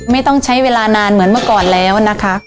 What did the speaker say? ไม่ต้องใช้เวลานานเหมือนเมื่อก่อนแล้วนะคะ